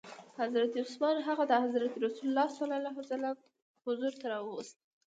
حضرت عثمان هغه د حضرت رسول ص حضور ته راووست.